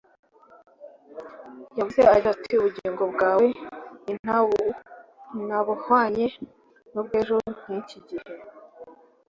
yavuze agira ati Ubugingo bwawe nintabuhwanya nubwabo ejo nkiki gihe